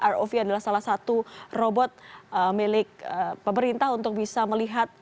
rov adalah salah satu robot milik pemerintah untuk bisa melihat